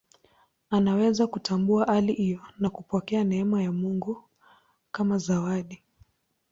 Anaweza kutambua hali hiyo na kupokea neema ya Mungu kama zawadi.